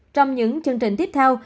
trong những chương trình tiếp theo